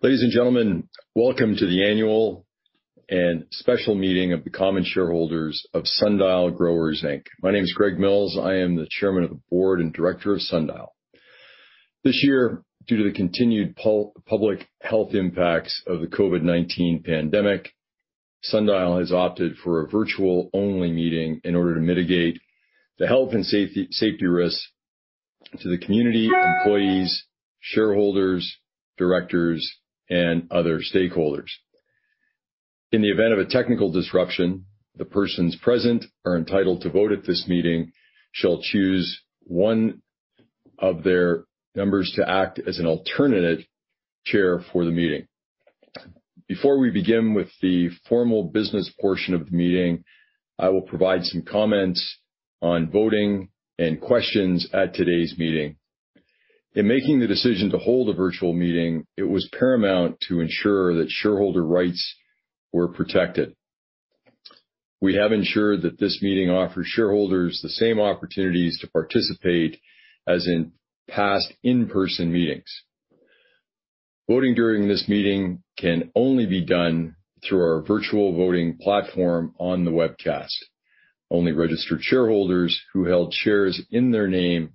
Ladies and gentlemen, welcome to the annual and special meeting of the common shareholders of Sundial Growers Inc. My name is Greg Mills. I am the Chairman of the Board and Director of Sundial. This year, due to the continued public health impacts of the COVID-19 pandemic, Sundial has opted for a virtual only meeting in order to mitigate the health and safety risks to the community, employees, shareholders, directors, and other stakeholders. In the event of a technical disruption, the persons present or entitled to vote at this meeting shall choose one of their members to act as an alternative chair for the meeting. Before we begin with the formal business portion of the meeting, I will provide some comments on voting and questions at today's meeting. In making the decision to hold a virtual meeting, it was paramount to ensure that shareholder rights were protected. We have ensured that this meeting offers shareholders the same opportunities to participate as in past in-person meetings. Voting during this meeting can only be done through our virtual voting platform on the webcast. Only registered shareholders who held shares in their name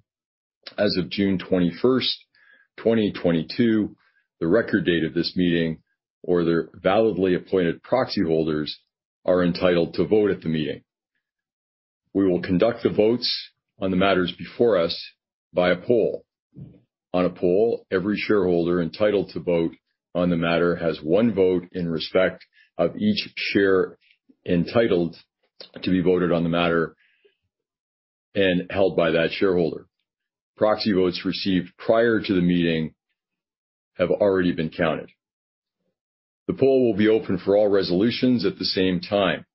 as of June 21, 2022, the record date of this meeting, or their validly appointed proxy holders are entitled to vote at the meeting. We will conduct the votes on the matters before us by a poll. On a poll, every shareholder entitled to vote on the matter has one vote in respect of each share entitled to be voted on the matter and held by that shareholder. Proxy votes received prior to the meeting have already been counted. The poll will be open for all resolutions at the same time.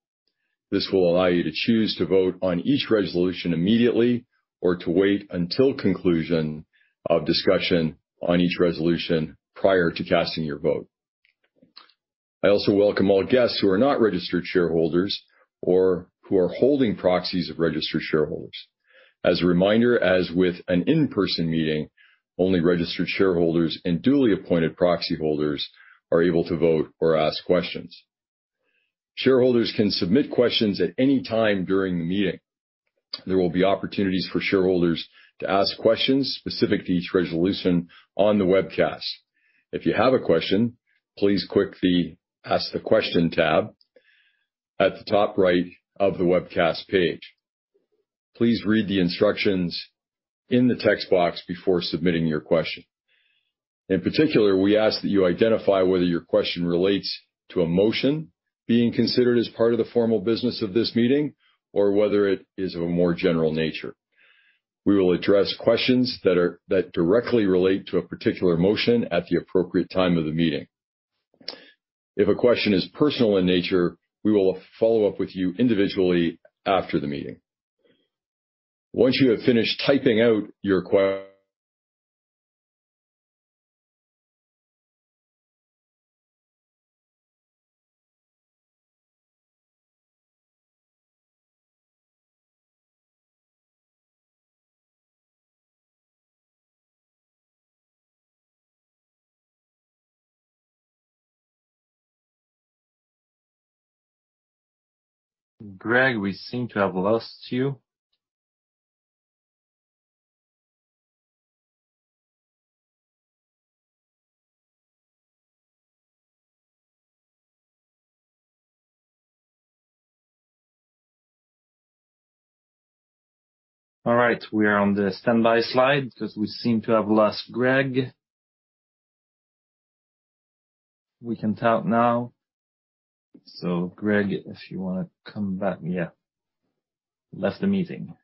This will allow you to choose to vote on each resolution immediately or to wait until conclusion of discussion on each resolution prior to casting your vote. I also welcome all guests who are not registered shareholders or who are holding proxies of registered shareholders. As a reminder, as with an in-person meeting, only registered shareholders and duly appointed proxy holders are able to vote or ask questions. Shareholders can submit questions at any time during the meeting. There will be opportunities for shareholders to ask questions specific to each resolution on the webcast. If you have a question, please click the Ask the Question tab at the top right of the webcast page. Please read the instructions in the text box before submitting your question. In particular, we ask that you identify whether your question relates to a motion being considered as part of the formal business of this meeting, or whether it is of a more general nature. We will address questions that directly relate to a particular motion at the appropriate time of the meeting. If a question is personal in nature, we will follow up with you individually after the meeting. Once you have finished typing out your question Greg, we seem to have lost you. All right, we are on the standby slide because we seem to have lost Greg. We can talk now. Greg, if you wanna come back. Yeah. Left the meeting.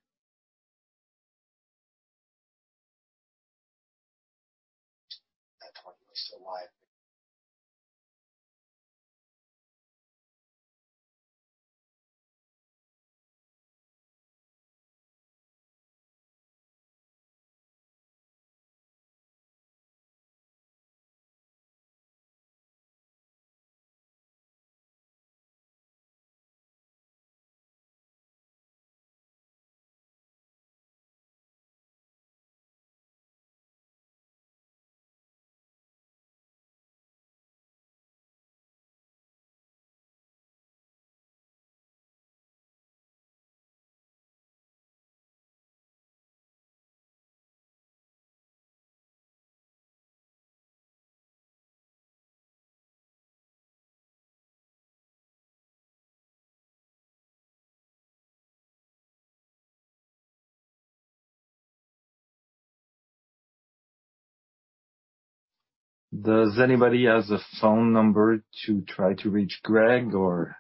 I thought he was still live. Does anybody has a phone number to try to reach Greg or?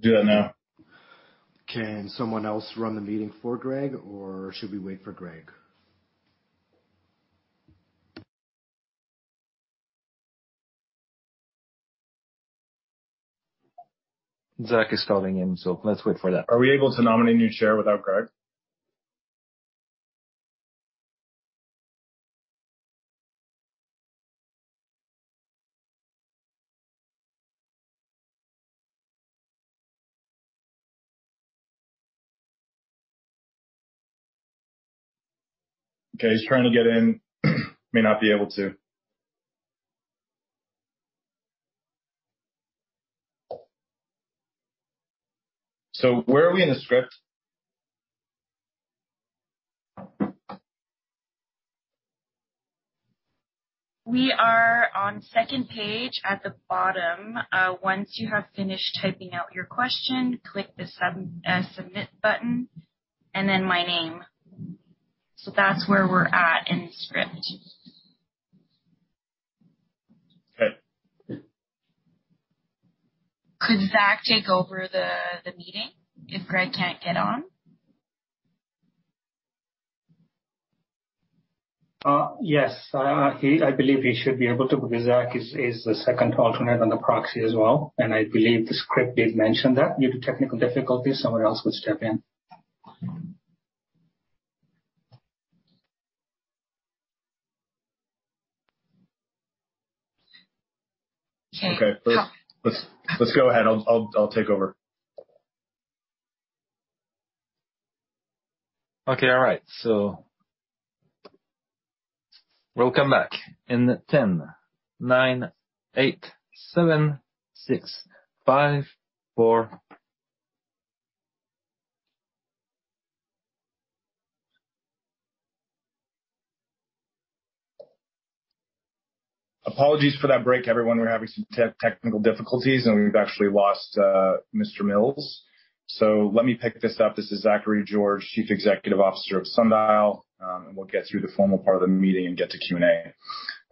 Do that now. Can someone else run the meeting for Greg, or should we wait for Greg? Zach is calling in, so let's wait for that. Are we able to nominate a new chair without Greg? Okay. He's trying to get in. May not be able to. Where are we in the script? We are on second page at the bottom. Once you have finished typing out your question, click the Submit button and then my name. That's where we're at in the script. Okay. Could Zach take over the meeting if Greg can't get on? I believe he should be able to, because Zach is the second alternate on the proxy as well. I believe the script did mention that due to technical difficulties, someone else would step in. Okay. Okay. Let's go ahead. I'll take over. Okay. All right. We'll come back in 10, nine, eight, seven, six, five, four. Apologies for that break, everyone. We're having some technical difficulties, and we've actually lost Mr. Mills. Let me pick this up. This is Zachary George, Chief Executive Officer of Sundial, and we'll get through the formal part of the meeting and get to Q&A.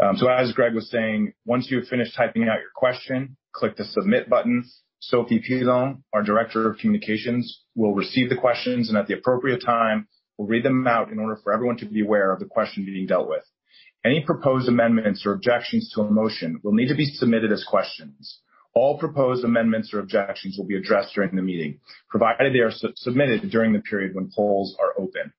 As Greg was saying, once you have finished typing out your question, click the Submit button. Sophie Pilon, our Director of Communications, will receive the questions, and at the appropriate time, will read them out in order for everyone to be aware of the question being dealt with. Any proposed amendments or objections to a motion will need to be submitted as questions. All proposed amendments or objections will be addressed during the meeting, provided they are submitted during the period when polls are open.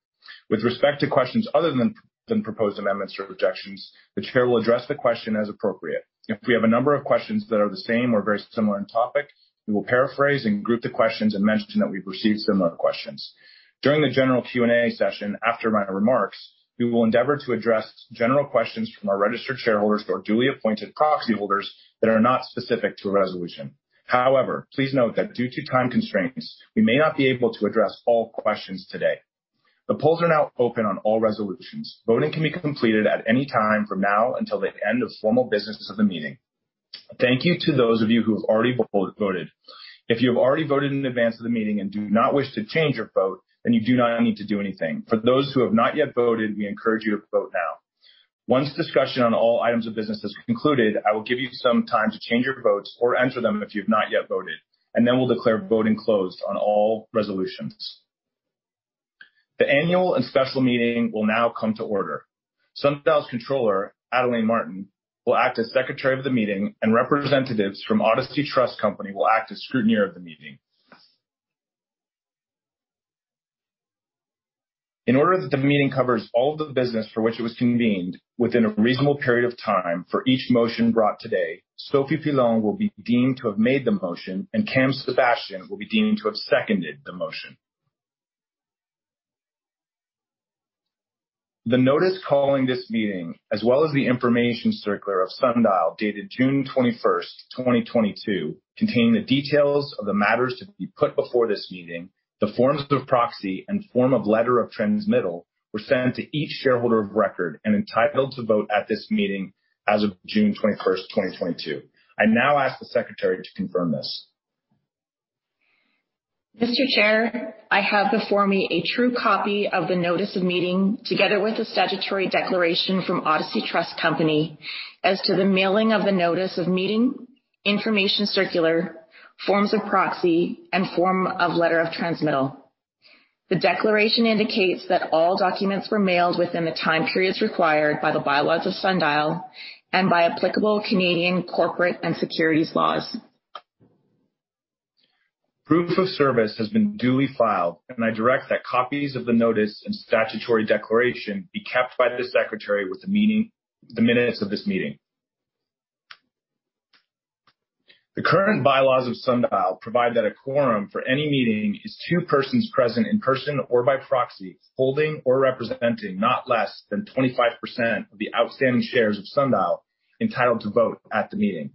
With respect to questions other than proposed amendments or objections, the chair will address the question as appropriate. If we have a number of questions that are the same or very similar in topic, we will paraphrase and group the questions and mention that we've received similar questions. During the general Q&A session after my remarks, we will endeavor to address general questions from our registered shareholders or duly appointed proxy holders that are not specific to a resolution. However, please note that due to time constraints, we may not be able to address all questions today. The polls are now open on all resolutions. Voting can be completed at any time from now until the end of formal businesses of the meeting. Thank you to those of you who have already voted. If you have already voted in advance of the meeting and do not wish to change your vote, then you do not need to do anything. For those who have not yet voted, we encourage you to vote now. Once discussion on all items of business is concluded, I will give you some time to change your votes or enter them if you have not yet voted, and then we'll declare voting closed on all resolutions. The annual and special meeting will now come to order. Sundial's Controller, Adeline Martin, will act as secretary of the meeting, and representatives from Odyssey Trust Company will act as scrutineer of the meeting. In order that the meeting covers all of the business for which it was convened, within a reasonable period of time for each motion brought today, Sophie Pilon will be deemed to have made the motion, and Cam Sebastian will be deemed to have seconded the motion. The notice calling this meeting, as well as the information circular of Sundial dated June 21, 2022, containing the details of the matters to be put before this meeting, the forms of proxy and form of letter of transmittal were sent to each shareholder of record and entitled to vote at this meeting as of June 21, 2022. I now ask the secretary to confirm this. Mr. Chair, I have before me a true copy of the notice of meeting, together with a statutory declaration from Odyssey Trust Company as to the mailing of the notice of meeting, information circular, forms of proxy and form of letter of transmittal. The declaration indicates that all documents were mailed within the time periods required by the bylaws of Sundial and by applicable Canadian corporate and securities laws. Proof of service has been duly filed, and I direct that copies of the notice and statutory declaration be kept by the secretary in the minutes of this meeting. The current bylaws of Sundial provide that a quorum for any meeting is two persons present in person or by proxy, holding or representing not less than 25% of the outstanding shares of Sundial entitled to vote at the meeting.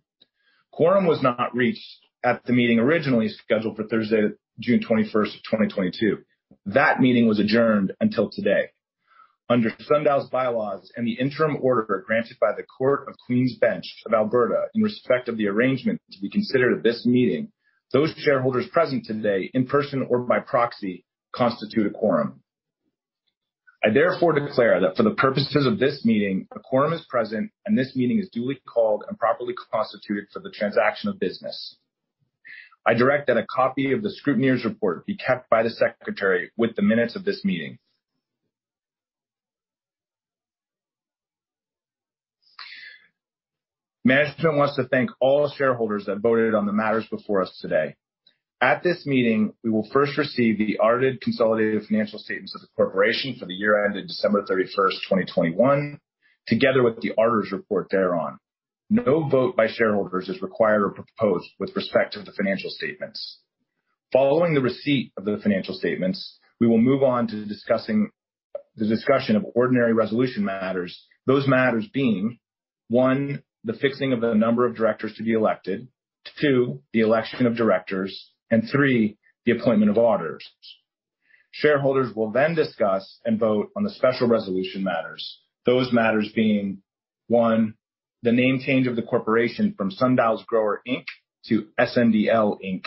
Quorum was not reached at the meeting originally scheduled for Thursday, June 21, 2022. That meeting was adjourned until today. Under Sundial's bylaws and the interim order granted by the Court of Queen's Bench of Alberta in respect of the arrangement to be considered at this meeting, those shareholders present today in person or by proxy constitute a quorum. I therefore declare that for the purposes of this meeting, a quorum is present and this meeting is duly called and properly constituted for the transaction of business. I direct that a copy of the scrutineer's report be kept by the secretary with the minutes of this meeting. Management wants to thank all shareholders that voted on the matters before us today. At this meeting, we will first receive the audited consolidated financial statements of the corporation for the year ended December 31, 2021, together with the auditor's report thereon. No vote by shareholders is required or proposed with respect to the financial statements. Following the receipt of the financial statements, we will move on to discussing the discussion of ordinary resolution matters. Those matters being, one, the fixing of the number of directors to be elected. two, the election of directors. three, the appointment of auditors. Shareholders will then discuss and vote on the special resolution matters. Those matters being, one, the name change of the corporation from Sundial Growers Inc. to SNDL Inc.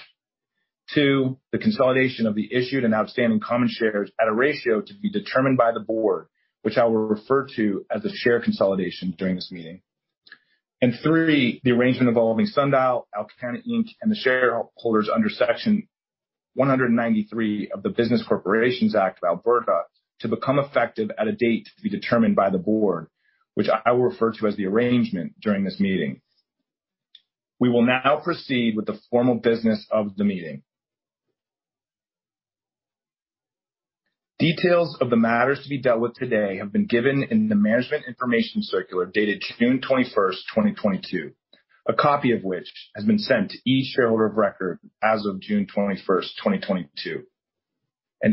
two, the consolidation of the issued and outstanding common shares at a ratio to be determined by the board, which I will refer to as the share consolidation during this meeting. three, the arrangement involving Sundial, Alcanna Inc., and the shareholders under Section 193 of the Business Corporations Act of Alberta to become effective at a date to be determined by the board, which I will refer to as the arrangement during this meeting. We will now proceed with the formal business of the meeting. Details of the matters to be dealt with today have been given in the management information circular dated June 21, 2022. A copy of which has been sent to each shareholder of record as of June 21, 2022.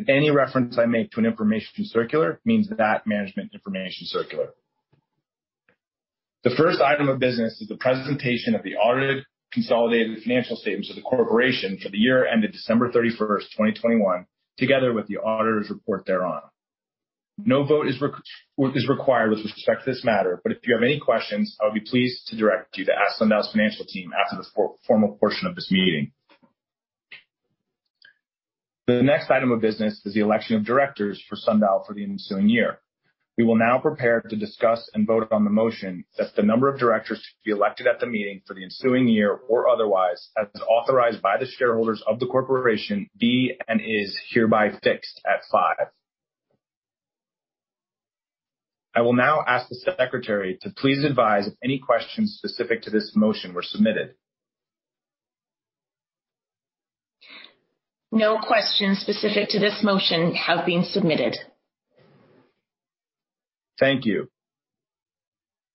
Any reference I make to an information circular means that management information circular. The first item of business is the presentation of the audited consolidated financial statements of the corporation for the year ended December 31, 2021, together with the auditor's report thereon. No vote is required with respect to this matter, but if you have any questions, I would be pleased to direct you to ask Sundial's financial team after the formal portion of this meeting. The next item of business is the election of directors for Sundial for the ensuing year. We will now prepare to discuss and vote on the motion that the number of directors to be elected at the meeting for the ensuing year or otherwise, as authorized by the shareholders of the corporation, be, and is hereby fixed at five. I will now ask the Secretary to please advise if any questions specific to this motion were submitted. No questions specific to this motion have been submitted. Thank you.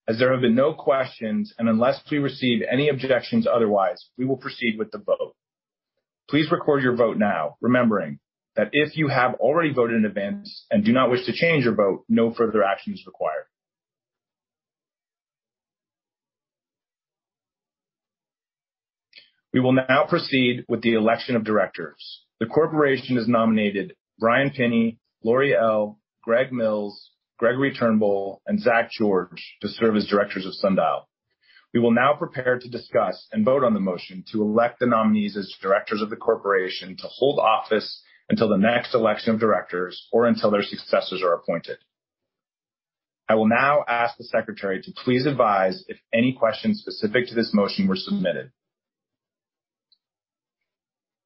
As there have been no questions, and unless we receive any objections otherwise, we will proceed with the vote. Please record your vote now, remembering that if you have already voted in advance and do not wish to change your vote, no further action is required. We will now proceed with the election of directors. The corporation has nominated Bryan Pinney, Lori Ell, Greg Mills, Gregory Turnbull, and Zach George to serve as directors of Sundial. We will now prepare to discuss and vote on the motion to elect the nominees as directors of the corporation to hold office until the next election of directors or until their successors are appointed. I will now ask the Secretary to please advise if any questions specific to this motion were submitted.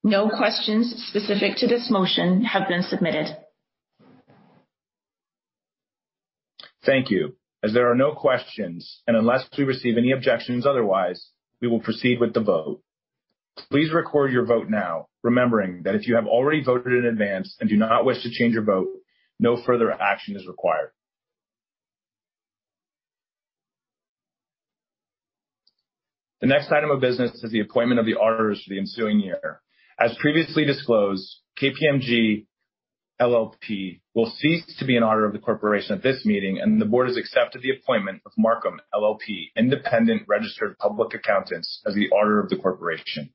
No questions specific to this motion have been submitted. Thank you. As there are no questions, and unless we receive any objections otherwise, we will proceed with the vote. Please record your vote now, remembering that if you have already voted in advance and do not wish to change your vote, no further action is required. The next item of business is the appointment of the auditors for the ensuing year. As previously disclosed, KPMG LLP will cease to be an auditor of the corporation at this meeting, and the board has accepted the appointment of Marcum LLP, independent registered public accountants, as the auditor of the corporation.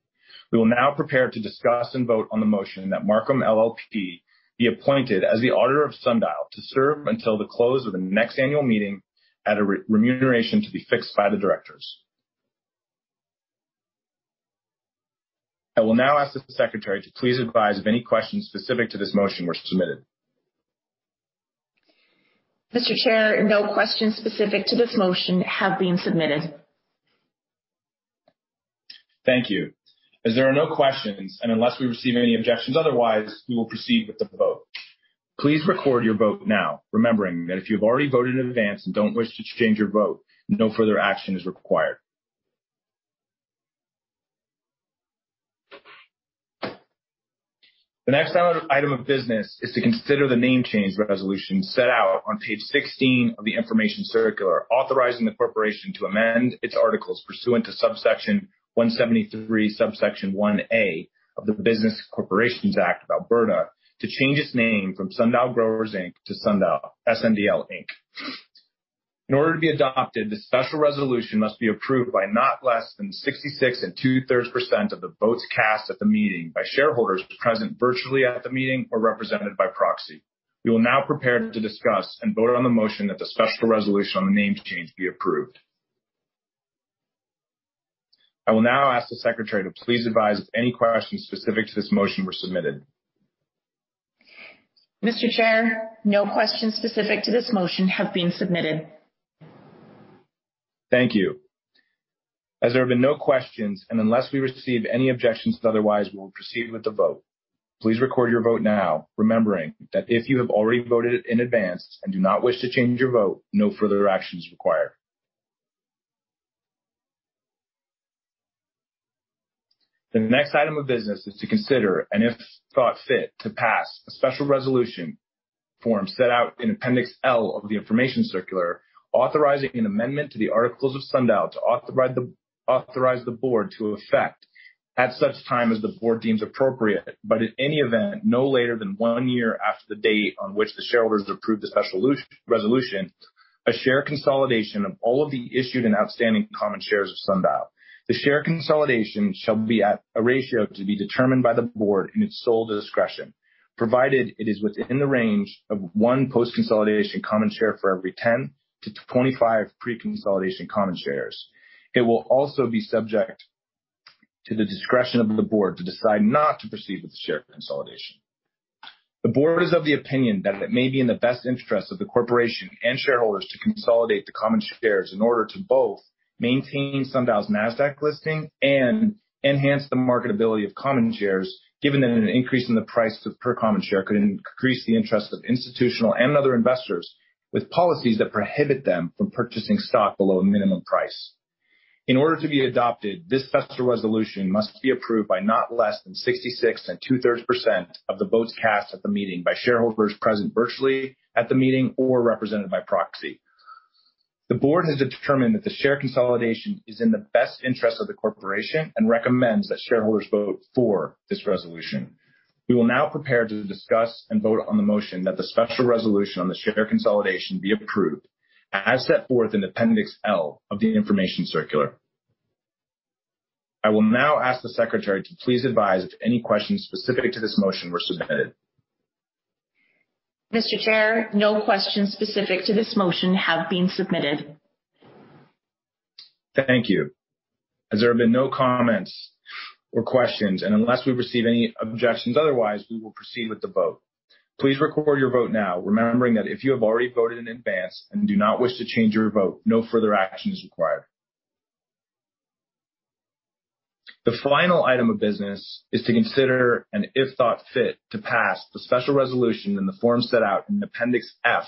We will now prepare to discuss and vote on the motion that Marcum LLP be appointed as the auditor of Sundial to serve until the close of the next annual meeting at a remuneration to be fixed by the directors. I will now ask the Secretary to please advise if any questions specific to this motion were submitted. Mr. Chair, no questions specific to this motion have been submitted. Thank you. As there are no questions, and unless we receive any objections otherwise, we will proceed with the vote. Please record your vote now, remembering that if you've already voted in advance and don't wish to change your vote, no further action is required. The next item of business is to consider the name change resolution set out on page 16 of the information circular, authorizing the corporation to amend its articles pursuant to subsection 173, subsection 1(a) of the Business Corporations Act of Alberta to change its name from Sundial Growers Inc. to Sundial, SNDL Inc. In order to be adopted, the special resolution must be approved by not less than 66 2/3% of the votes cast at the meeting by shareholders present virtually at the meeting or represented by proxy. We will now prepare to discuss and vote on the motion that the special resolution on the name change be approved. I will now ask the Secretary to please advise if any questions specific to this motion were submitted. Mr. Chair, no questions specific to this motion have been submitted. Thank you. As there have been no questions, and unless we receive any objections to otherwise, we will proceed with the vote. Please record your vote now, remembering that if you have already voted in advance and do not wish to change your vote, no further action is required. The next item of business is to consider, and if thought fit, to pass a special resolution as set out in appendix L of the information circular, authorizing an amendment to the articles of Sundial to authorize the board to effect at such time as the board deems appropriate. In any event, no later than one year after the date on which the shareholders approved the special resolution, a share consolidation of all of the issued and outstanding common shares of Sundial. The share consolidation shall be at a ratio to be determined by the board in its sole discretion, provided it is within the range of one post-consolidation common share for every 10-25 pre-consolidation common shares. It will also be subject to the discretion of the board to decide not to proceed with the share consolidation. The board is of the opinion that it may be in the best interest of the corporation and shareholders to consolidate the common shares in order to both maintain Sundial's Nasdaq listing and enhance the marketability of common shares. Given that an increase in the price per common share could increase the interest of institutional and other investors with policies that prohibit them from purchasing stock below a minimum price. In order to be adopted, this special resolution must be approved by not less than 66 2/3% of the votes cast at the meeting by shareholders present virtually at the meeting or represented by proxy. The board has determined that the share consolidation is in the best interest of the corporation and recommends that shareholders vote for this resolution. We will now prepare to discuss and vote on the motion that the special resolution on the share consolidation be approved as set forth in Appendix L of the information circular. I will now ask the secretary to please advise if any questions specific to this motion were submitted. Mr. Chair, no questions specific to this motion have been submitted. Thank you. As there have been no comments or questions, and unless we receive any objections otherwise, we will proceed with the vote. Please record your vote now, remembering that if you have already voted in advance and do not wish to change your vote, no further action is required. The final item of business is to consider, and if thought fit, to pass the special resolution in the form set out in Appendix F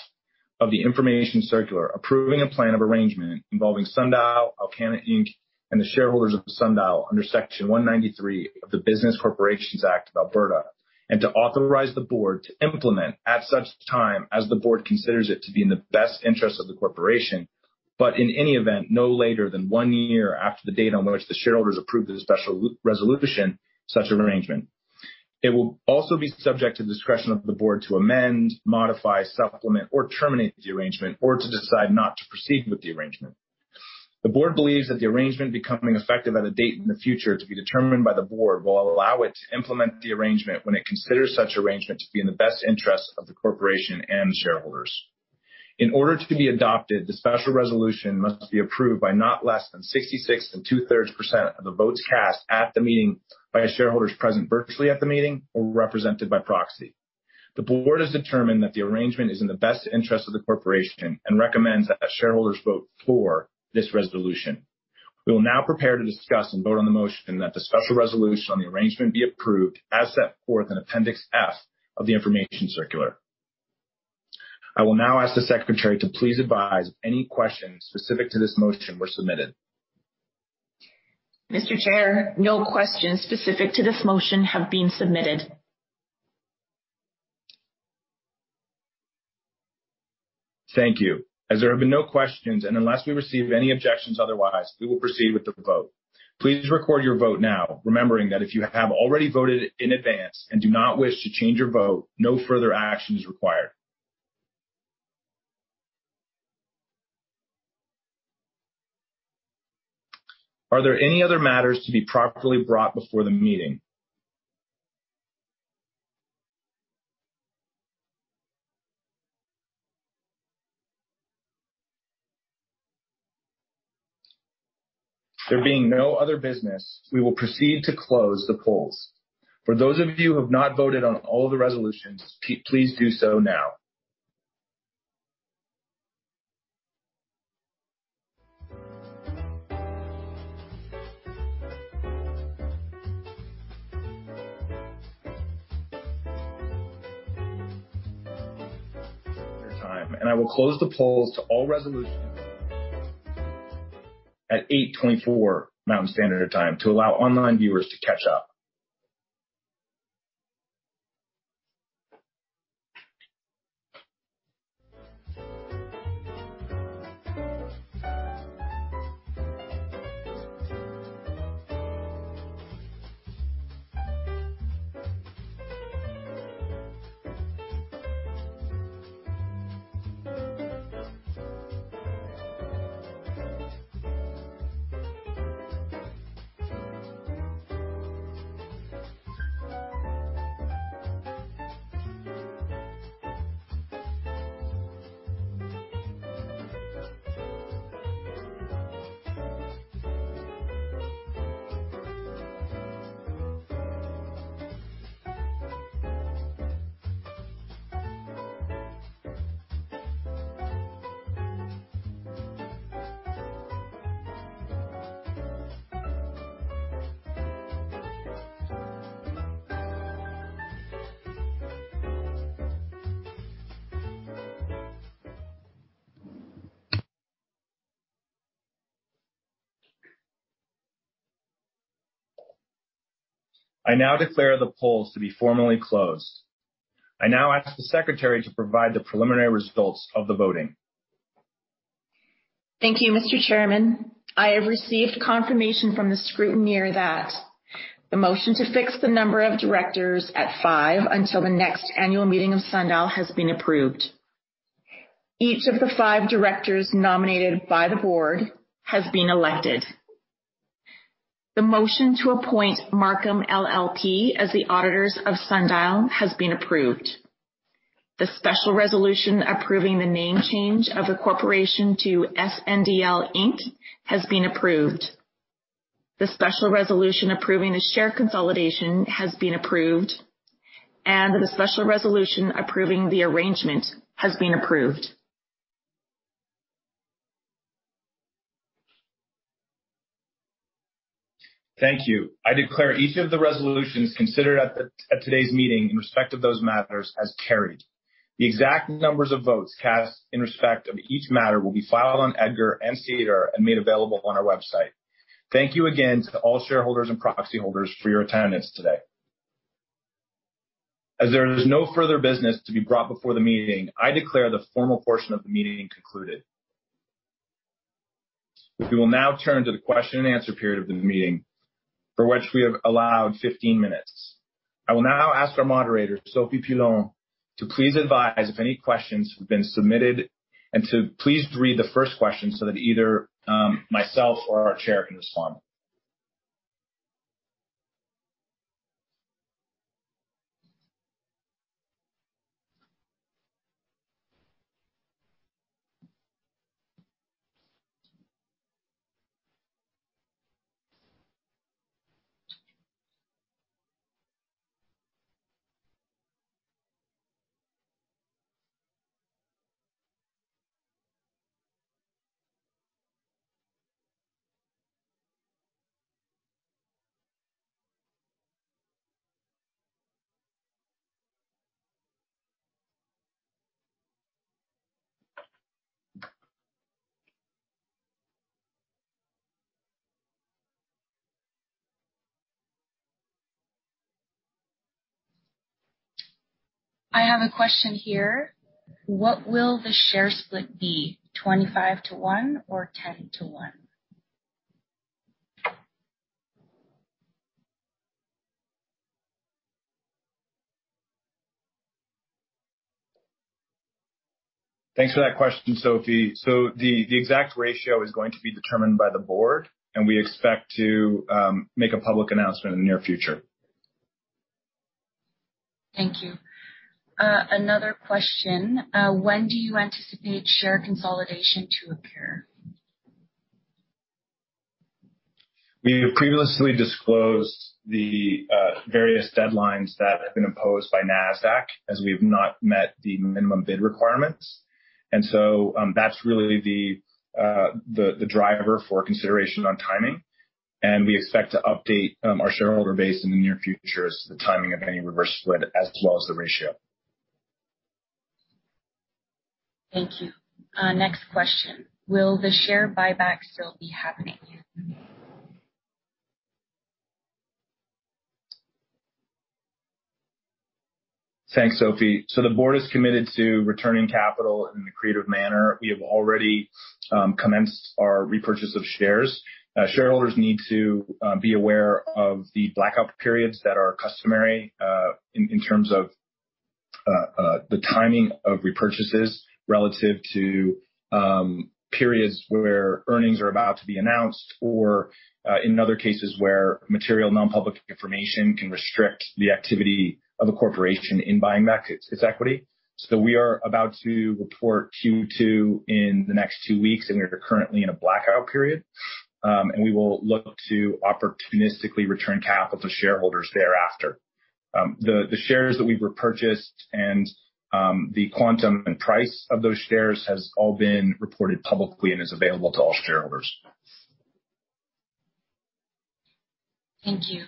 of the information circular approving a plan of arrangement involving Sundial, Alcanna Inc., and the shareholders of Sundial under Section 193 of the Business Corporations Act of Alberta, and to authorize the board to implement at such time as the board considers it to be in the best interest of the corporation. In any event, no later than one year after the date on which the shareholders approved the special resolution, such arrangement. It will also be subject to the discretion of the board to amend, modify, supplement or terminate the arrangement, or to decide not to proceed with the arrangement. The board believes that the arrangement becoming effective at a date in the future to be determined by the board, will allow it to implement the arrangement when it considers such arrangement to be in the best interest of the corporation and shareholders. In order to be adopted, the special resolution must be approved by not less than 66 2/3% of the votes cast at the meeting by shareholders present virtually at the meeting or represented by proxy. The board has determined that the arrangement is in the best interest of the corporation and recommends that shareholders vote for this resolution. We will now prepare to discuss and vote on the motion that the special resolution on the arrangement be approved as set forth in Appendix F of the Information Circular. I will now ask the secretary to please advise if any questions specific to this motion were submitted. Mr. Chair, no questions specific to this motion have been submitted. Thank you. As there have been no questions, and unless we receive any objections otherwise, we will proceed with the vote. Please record your vote now, remembering that if you have already voted in advance and do not wish to change your vote, no further action is required. Are there any other matters to be properly brought before the meeting? There being no other business, we will proceed to close the polls. For those of you who have not voted on all the resolutions, please do so now. Time. I will close the polls to all resolutions at 8:24 A.M. Mountain Standard Time to allow online viewers to catch up. I now declare the polls to be formally closed. I now ask the secretary to provide the preliminary results of the voting. Thank you, Mr. Chairman. I have received confirmation from the scrutineer that the motion to fix the number of directors at five until the next annual meeting of Sundial has been approved. Each of the five directors nominated by the board has been elected. The motion to appoint Marcum LLP as the auditors of Sundial has been approved. The special resolution approving the name change of the corporation to SNDL Inc. has been approved. The special resolution approving the share consolidation has been approved, and the special resolution approving the arrangement has been approved. Thank you. I declare each of the resolutions considered at today's meeting in respect of those matters as carried. The exact numbers of votes cast in respect of each matter will be filed on EDGAR and SEDAR+ and made available on our website. Thank you again to all shareholders and proxy holders for your attendance today. As there is no further business to be brought before the meeting, I declare the formal portion of the meeting concluded. We will now turn to the question and answer period of the meeting, for which we have allowed 15 minutes. I will now ask our moderator, Sophie Pilon, to please advise if any questions have been submitted and to please read the first question so that either myself or our chair can respond. I have a question here. What will the share split be? 25-to-1 or 10-to-1? Thanks for that question, Sophie. The exact ratio is going to be determined by the board, and we expect to make a public announcement in the near future. Thank you. Another question. When do you anticipate share consolidation to occur? We have previously disclosed the various deadlines that have been imposed by Nasdaq as we have not met the minimum bid requirements. That's really the driver for consideration on timing. We expect to update our shareholder base in the near future as to the timing of any reverse split as well as the ratio. Thank you. Next question. Will the share buyback still be happening? Thanks, Sophie. The board is committed to returning capital in a creative manner. We have already commenced our repurchase of shares. Shareholders need to be aware of the blackout periods that are customary in terms of the timing of repurchases relative to periods where earnings are about to be announced, or in other cases where material non-public information can restrict the activity of a corporation in buying back its equity. We are about to report Q2 in the next two weeks, and we are currently in a blackout period. We will look to opportunistically return capital to shareholders thereafter. The shares that we've repurchased and the quantum and price of those shares has all been reported publicly and is available to all shareholders. Thank you.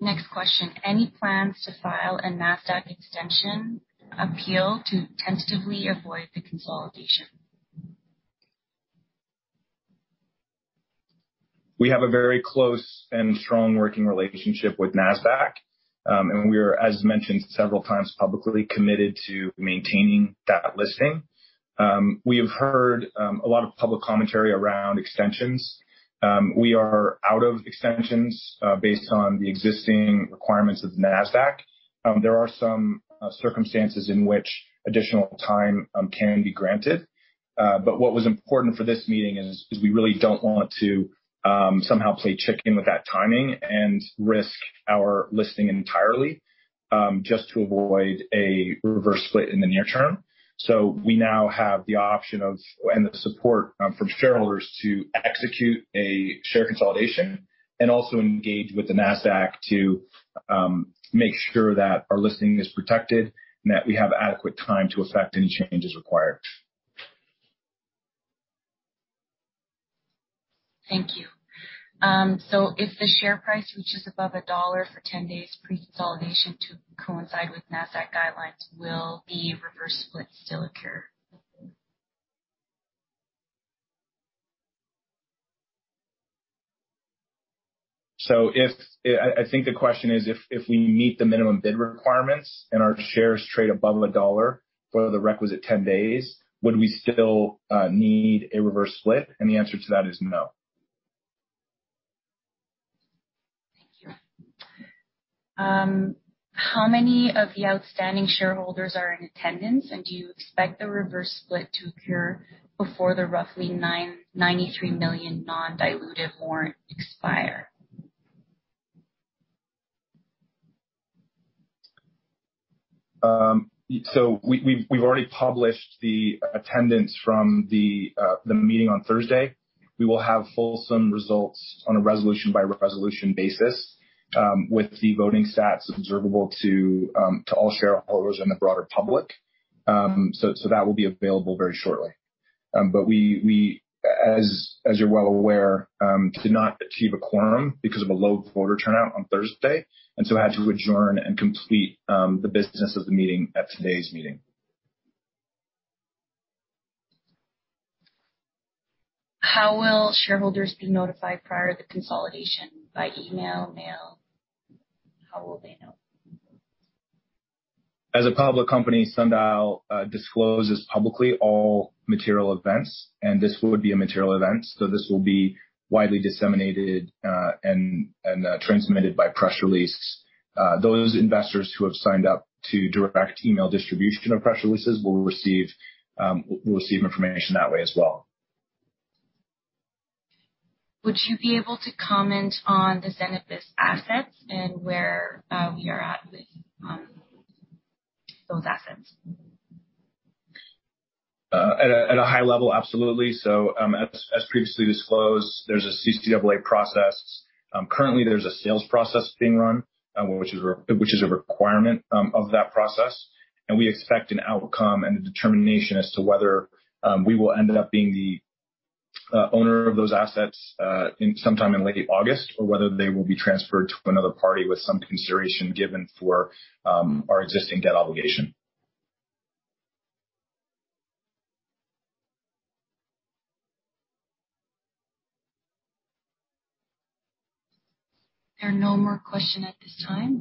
Next question. Any plans to file a Nasdaq extension appeal to tentatively avoid the consolidation? We have a very close and strong working relationship with Nasdaq. We are, as mentioned several times, publicly committed to maintaining that listing. We have heard a lot of public commentary around extensions. We are out of extensions based on the existing requirements of Nasdaq. There are some circumstances in which additional time can be granted. What was important for this meeting is we really don't want to somehow play chicken with that timing and risk our listing entirely just to avoid a reverse split in the near term. We now have the option of, and the support from shareholders to execute a share consolidation and also engage with the Nasdaq to make sure that our listing is protected and that we have adequate time to effect any changes required. Thank you. If the share price reaches above $1 for 10 days pre-consolidation to coincide with Nasdaq guidelines, will the reverse split still occur? I think the question is if we meet the minimum bid requirements and our shares trade above $1 for the requisite 10 days, would we still need a reverse split? The answer to that is no. Thank you. How many of the outstanding shareholders are in attendance, and do you expect the reverse split to occur before the roughly 93 million non-dilutive warrants expire? We've already published the attendance from the meeting on Thursday. We will have fulsome results on a resolution by resolution basis, with the voting stats observable to all shareholders and the broader public. That will be available very shortly. We, as you're well aware, did not achieve a quorum because of a low voter turnout on Thursday, and so had to adjourn and complete the business of the meeting at today's meeting. How will shareholders be notified prior to the consolidation? By email? Mail? How will they know? As a public company, Sundial discloses publicly all material events, and this would be a material event, so this will be widely disseminated and transmitted by press release. Those investors who have signed up to direct email distribution of press releases will receive information that way as well. Would you be able to comment on the Zenabis assets and where we are at with those assets? At a high level, absolutely. As previously disclosed, there's a CCAA process. Currently there's a sales process being run, which is a requirement of that process. We expect an outcome and a determination as to whether we will end up being the owner of those assets sometime in late August or whether they will be transferred to another party with some consideration given for our existing debt obligation. There are no more questions at this time,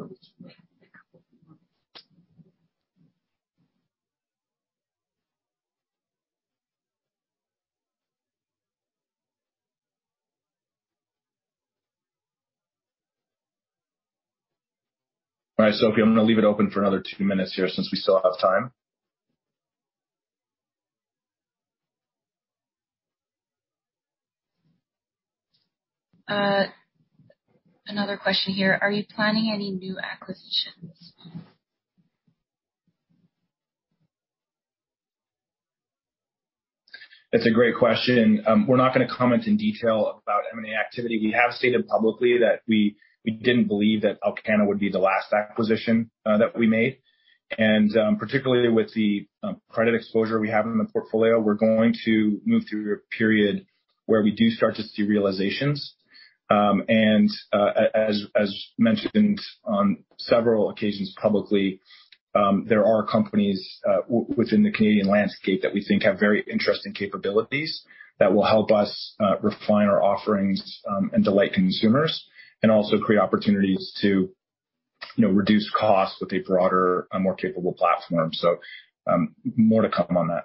but we can wait a couple more. All right, Sophie, I'm gonna leave it open for another two minutes here since we still have time. Another question here. Are you planning any new acquisitions? That's a great question. We're not gonna comment in detail about M&A activity. We have stated publicly that we didn't believe that Alcanna would be the last acquisition that we made. Particularly with the credit exposure we have in the portfolio, we're going to move through a period where we do start to see realizations. As mentioned on several occasions publicly, there are companies within the Canadian landscape that we think have very interesting capabilities that will help us refine our offerings and delight consumers and also create opportunities to, you know, reduce costs with a broader, more capable platform. More to come on that.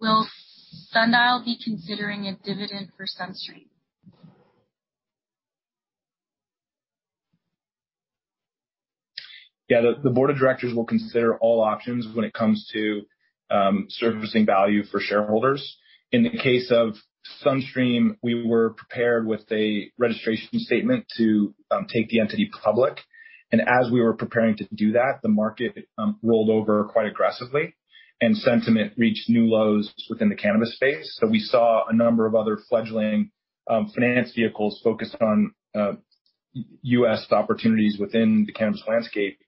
Will Sundial be considering a dividend for SunStream? Yeah. The board of directors will consider all options when it comes to servicing value for shareholders. In the case of SunStream, we were prepared with a registration statement to take the entity public. As we were preparing to do that, the market rolled over quite aggressively and sentiment reached new lows within the cannabis space. We saw a number of other fledgling financing vehicles focused on U.S. opportunities within the cannabis landscape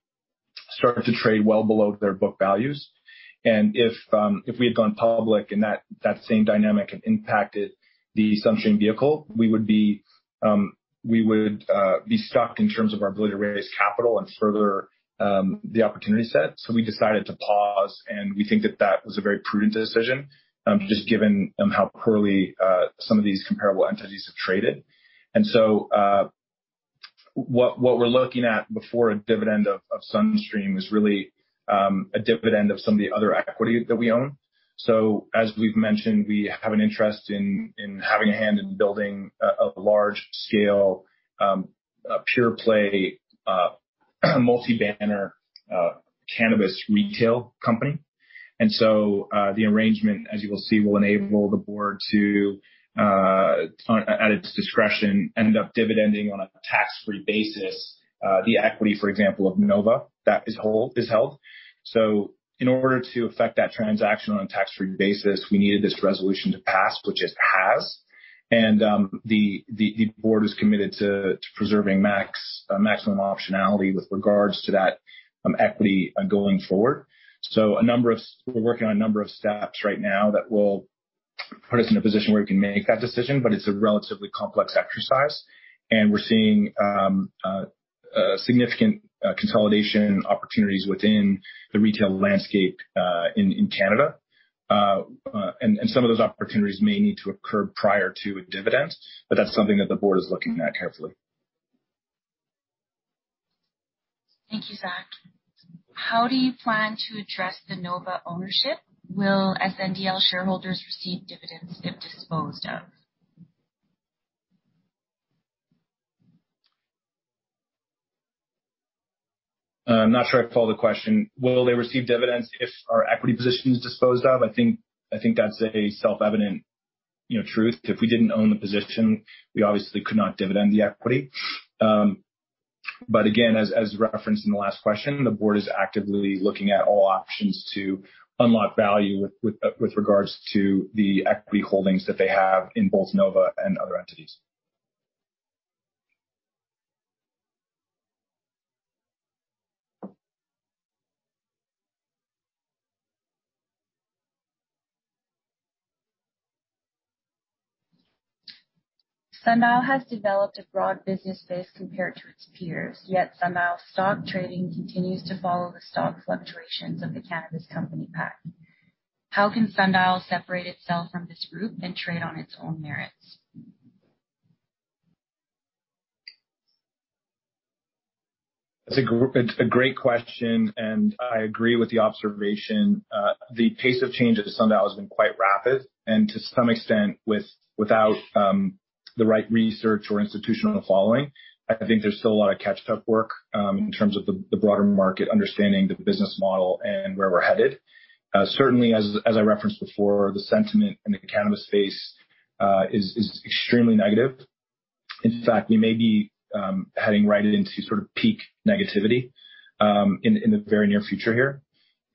start to trade well below their book values. If we had gone public and that same dynamic had impacted the SunStream vehicle, we would be stuck in terms of our ability to raise capital and further the opportunity set. We decided to pause, and we think that was a very prudent decision, just given how poorly some of these comparable entities have traded. What we're looking at before a dividend of SunStream is really a dividend of some of the other equity that we own. As we've mentioned, we have an interest in having a hand in building a large scale, a pure play, multi-banner, cannabis retail company. The arrangement, as you will see, will enable the board to, at its discretion, end up dividending on a tax-free basis the equity, for example, of Nova that is wholly held. In order to effect that transaction on a tax-free basis, we needed this resolution to pass, which it has. The board is committed to preserving maximum optionality with regards to that equity going forward. We're working on a number of steps right now that will put us in a position where we can make that decision, but it's a relatively complex exercise, and we're seeing significant consolidation opportunities within the retail landscape in Canada. Some of those opportunities may need to occur prior to a dividend, but that's something that the board is looking at carefully. Thank you, Zach. How do you plan to address the Nova ownership? Will SNDL shareholders receive dividends if disposed of? I'm not sure I follow the question. Will they receive dividends if our equity position is disposed of? I think that's a self-evident, you know, truth. If we didn't own the position, we obviously could not dividend the equity. Again, as referenced in the last question, the board is actively looking at all options to unlock value with regards to the equity holdings that they have in both Nova and other entities. Sundial has developed a broad business base compared to its peers, yet Sundial stock trading continues to follow the stock fluctuations of the cannabis company pack. How can Sundial separate itself from this group and trade on its own merits? It's a great question, and I agree with the observation. The pace of change at Sundial has been quite rapid, and to some extent, without the right research or institutional following, I think there's still a lot of catch-up work in terms of the broader market understanding the business model and where we're headed. Certainly as I referenced before, the sentiment in the cannabis space is extremely negative. In fact, we may be heading right into sort of peak negativity in the very near future here.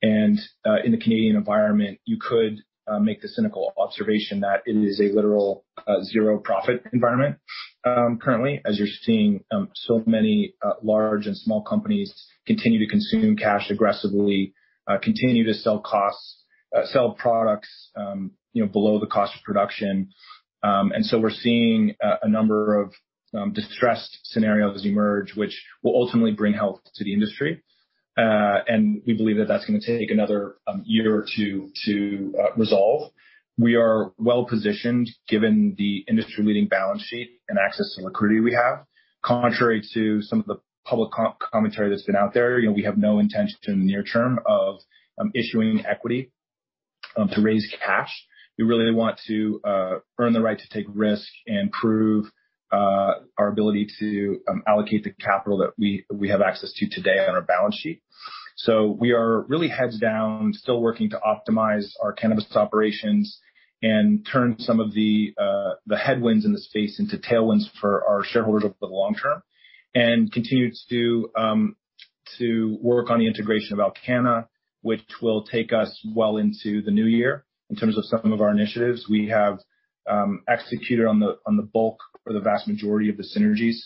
In the Canadian environment, you could make the cynical observation that it is a literal zero profit environment currently, as you're seeing so many large and small companies continue to consume cash aggressively, continue to incur costs, sell products, you know, below the cost of production. We're seeing a number of distressed scenarios emerge which will ultimately bring health to the industry. We believe that that's gonna take another year or two to resolve. We are well-positioned given the industry-leading balance sheet and access to liquidity we have. Contrary to some of the public commentary that's been out there, you know, we have no intention near term of issuing equity to raise cash. We really want to earn the right to take risk and prove our ability to allocate the capital that we have access to today on our balance sheet. We are really heads down, still working to optimize our cannabis operations and turn some of the headwinds in the space into tailwinds for our shareholders over the long term. We continue to work on the integration of Alcanna, which will take us well into the new year in terms of some of our initiatives. We have executed on the bulk or the vast majority of the synergies,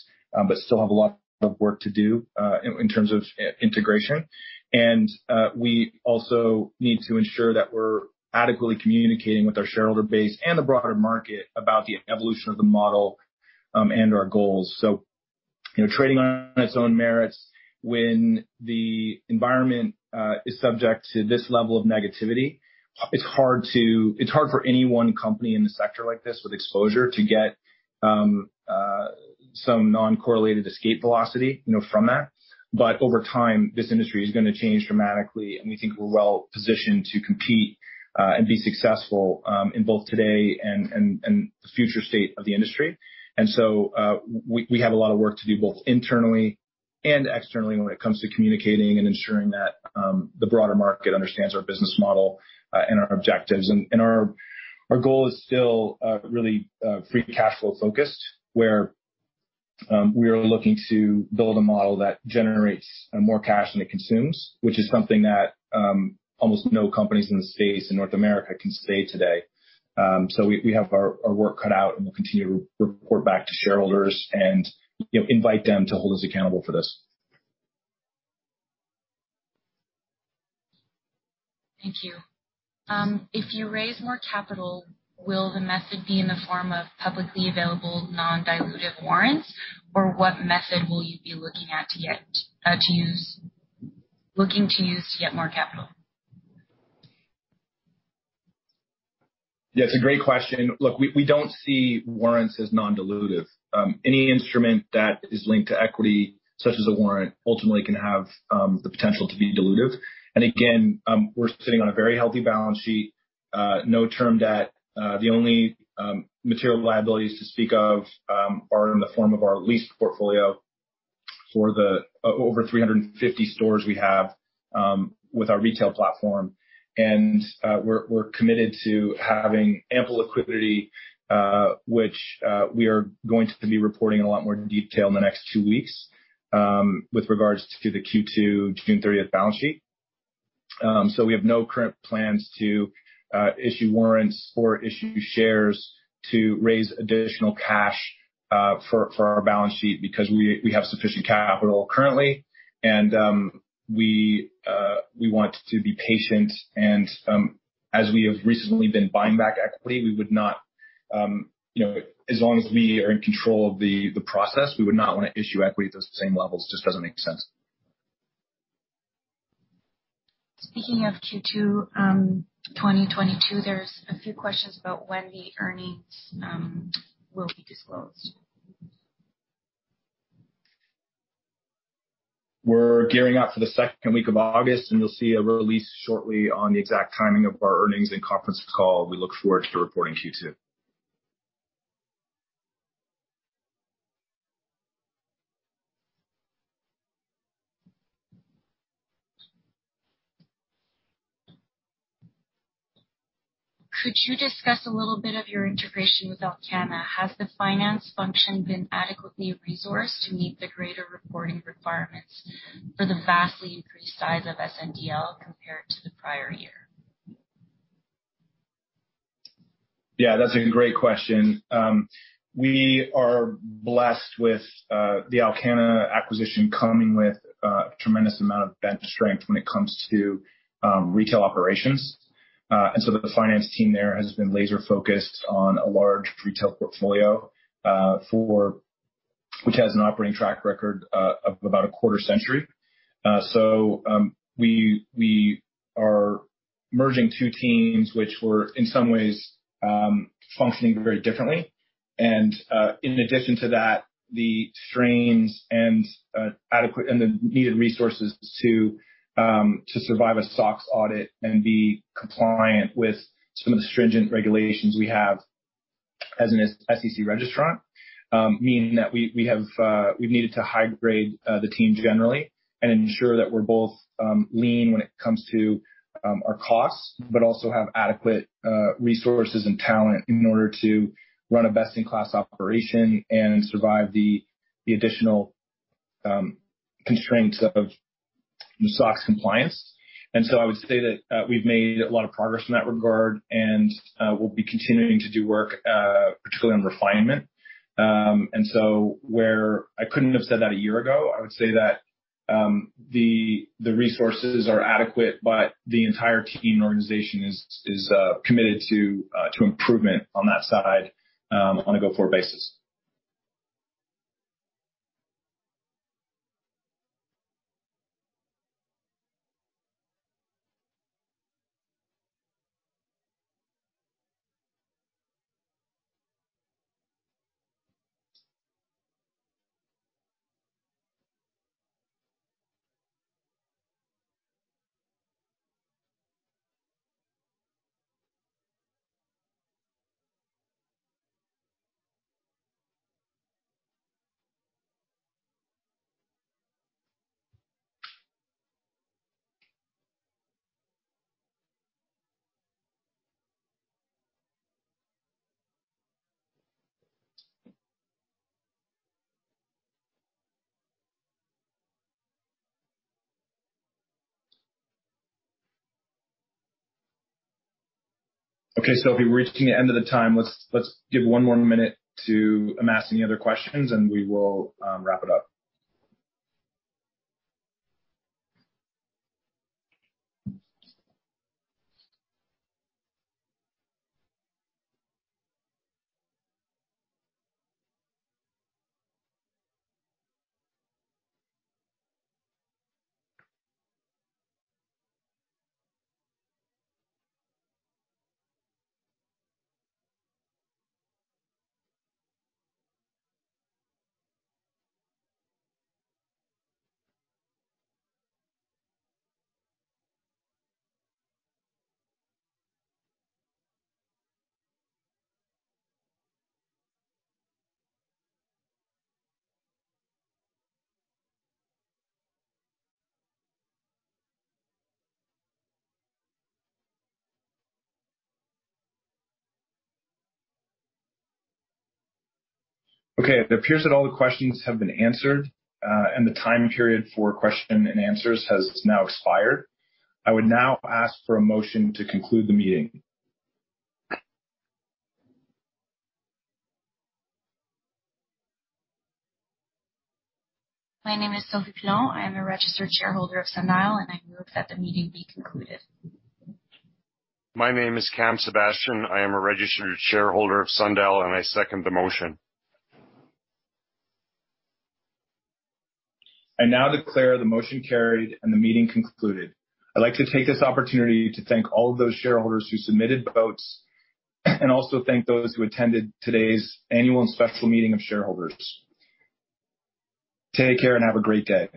but still have a lot of work to do in terms of integration. We also need to ensure that we're adequately communicating with our shareholder base and the broader market about the evolution of the model, and our goals. You know, trading on its own merits when the environment is subject to this level of negativity, it's hard for any one company in a sector like this with exposure to get some non-correlated escape velocity, you know, from that. But over time, this industry is gonna change dramatically, and we think we're well-positioned to compete and be successful in both today and the future state of the industry. We have a lot of work to do, both internally and externally when it comes to communicating and ensuring that the broader market understands our business model and our objectives. Our goal is still really free cash flow focused, where we are looking to build a model that generates more cash than it consumes, which is something that almost no companies in the space in North America can say today. We have our work cut out, and we'll continue to report back to shareholders and, you know, invite them to hold us accountable for this. Thank you. If you raise more capital, will the method be in the form of publicly available non-dilutive warrants? Or what method will you be looking at to get more capital? Yeah, it's a great question. Look, we don't see warrants as non-dilutive. Any instrument that is linked to equity, such as a warrant, ultimately can have the potential to be dilutive. We're sitting on a very healthy balance sheet. No term debt. The only material liabilities to speak of are in the form of our lease portfolio for the over 350 stores we have with our retail platform. We're committed to having ample liquidity, which we are going to be reporting in a lot more detail in the next two weeks with regards to the Q2 June thirtieth balance sheet. We have no current plans to issue warrants or issue shares to raise additional cash for our balance sheet because we have sufficient capital currently and we want to be patient and as we have recently been buying back equity, we would not, you know, as long as we are in control of the process, we would not wanna issue equity at those same levels. Just doesn't make sense. Speaking of Q2 2022, there's a few questions about when the earnings will be disclosed. We're gearing up for the second week of August, and you'll see a release shortly on the exact timing of our earnings and conference call. We look forward to reporting to you too. Could you discuss a little bit of your integration with Alcanna? Has the finance function been adequately resourced to meet the greater reporting requirements for the vastly increased size of SNDL compared to the prior year? Yeah, that's a great question. We are blessed with the Alcanna acquisition coming with a tremendous amount of bench strength when it comes to retail operations. The finance team there has been laser-focused on a large retail portfolio which has an operating track record of about a quarter century. We are merging two teams which were in some ways functioning very differently. In addition to that, the strain on adequate and the needed resources to survive a SOX audit and be compliant with some of the stringent regulations we have as an SEC registrant mean that we've needed to high grade the team generally and ensure that we're both lean when it comes to our costs, but also have adequate resources and talent in order to run a best in class operation and survive the additional constraints of the SOX compliance. I would say that we've made a lot of progress in that regard and we'll be continuing to do work particularly on refinement. Where I couldn't have said that a year ago, I would say that the resources are adequate, but the entire team and organization is committed to improvement on that side on a go-forward basis. Okay, Sophie, we're reaching the end of the time. Let's give one more minute to answer any other questions, and we will wrap it up. Okay, it appears that all the questions have been answered, and the time period for question and answers has now expired. I would now ask for a motion to conclude the meeting. My name is Sophie Pilon. I am a registered shareholder of Sundial, and I move that the meeting be concluded. My name is Cam Sebastian. I am a registered shareholder of Sundial, and I second the motion. I now declare the motion carried and the meeting concluded. I'd like to take this opportunity to thank all of those shareholders who submitted votes and also thank those who attended today's annual and special meeting of shareholders. Take care and have a great day.